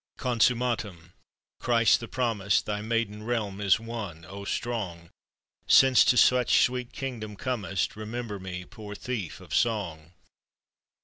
Consummatum. Christ the promised, Thy maiden realm is won, O Strong! Since to such sweet Kingdom comest, Remember me, poor Thief of Song!